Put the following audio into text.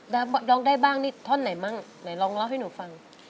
เธอน่ะท่อนไหนมั่งลองเล่าให้หนูฟัง